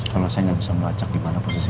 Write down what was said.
kalau saya gak bisa melacak di mana posisi saya